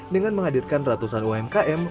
dengan menghadirkan ratusan umkm